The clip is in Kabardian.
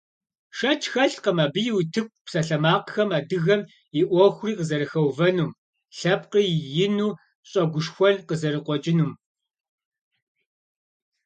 Шэч хэлъкъым, абы и утыку псалъэмакъхэм адыгэм и Ӏуэхури къызэрыхэувэнум, лъэпкъри ину щӀэгушхуэн къызэрыкъуэкӀынум.